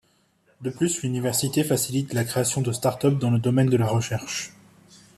De plus l'université facilite la création de start-ups dans le domaine de la recherche.